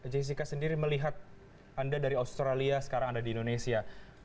jessica sendiri melihat anda dari australia sekarang ada di indonesia